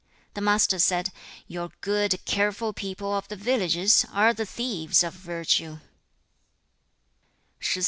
The Master said, 'Your good, careful people of the villages are the thieves of virtue.'